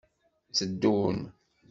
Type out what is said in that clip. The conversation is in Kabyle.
Tteddun.